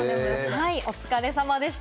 お疲れさまでした。